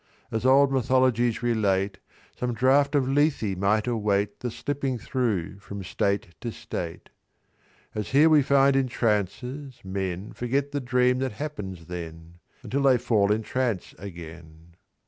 "As old mythologies relate, Some draught of Lethe might await The slipping thro' from state to state. "As here we find in trances, men Forget the dream that happens then, Until they fall in trance again.